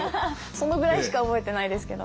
そのぐらいしか覚えてないですけど。